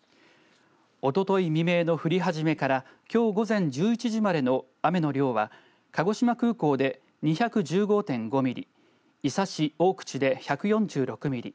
おととい未明の降り始めからきょう午前１１時までの雨の量は鹿児島空港で２１５．５ミリ伊佐市大口で１４６ミリ